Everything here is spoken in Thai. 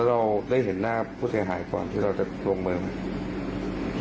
เราได้เห็นหน้าผู้เสียหายก่อนที่เราจะลงมือไหม